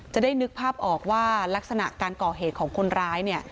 นึกภาพออกว่าลักษณะการก่อเหตุของคนร้าย